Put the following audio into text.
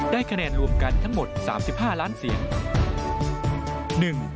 คะแนนรวมกันทั้งหมด๓๕ล้านเสียง